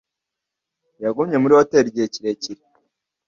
Yagumye muri hoteri igihe kirekire.